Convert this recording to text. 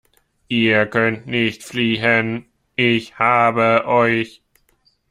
Ihr könnt nicht fliehen. Ich habe euch!